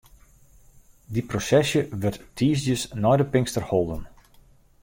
Dy prosesje wurdt de tiisdeis nei de Pinkster holden.